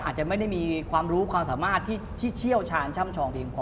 อาจจะไม่ได้มีความรู้ความสามารถที่เชี่ยวชาญช่ำชองเพียงพอ